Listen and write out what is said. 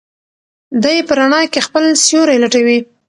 دی په رڼا کې خپل سیوری لټوي.